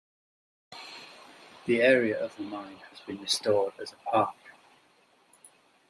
The area of the mine has been restored as a park.